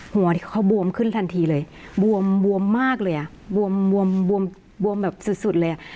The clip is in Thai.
หัวที่เขาบวมขึ้นทันทีเลยบวมบวมมากเลยอ่ะบวมบวมบวมแบบสุดเลยอ่ะ